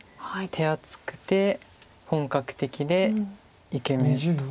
手厚くて本格的でイケメンと。